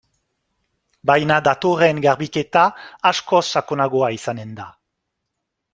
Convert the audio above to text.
Baina datorren garbiketa askoz sakonagoa izanen da.